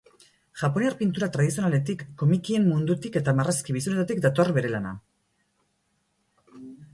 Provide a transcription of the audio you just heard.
Japoniar pintura tradizionaletik, komikien mundutik eta marrazki bizidunetatik dator bere lana.